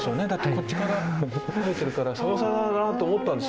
こっちから生えてるから逆さまだなと思ったんですよ。